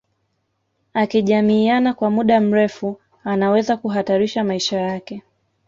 Akijamiiana kwa mda mrefu anaweza kuhatarisha maisha yake